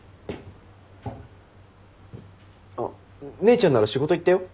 あっ姉ちゃんなら仕事行ったよ。